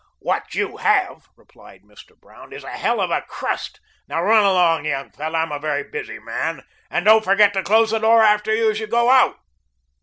"What you have," replied Mr. Brown, "is a hell of a crust. Now, run along, young fellow. I am a very busy man and don't forget to close the door after you as you go out."